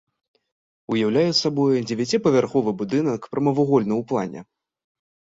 Уяўляе сабой дзевяціпавярховы будынак прамавугольны ў плане.